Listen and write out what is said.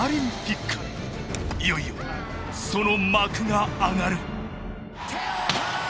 いよいよその幕が上がる！